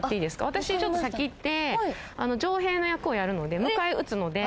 私、ちょっと先、行って城兵の役をやるので迎え撃つので。